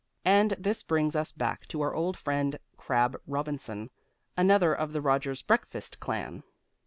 And this brings us back to our old friend Crabb Robinson, another of the Rogers breakfast clan.